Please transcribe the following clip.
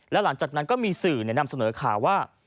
แล้วหลังจากนั้นก็มีสื่อนำเสนอข่าวว่า